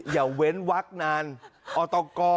เว้นวักนานอตก